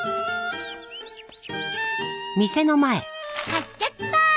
買っちゃった！